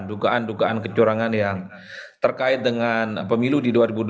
dugaan dugaan kecurangan yang terkait dengan pemilu di dua ribu dua puluh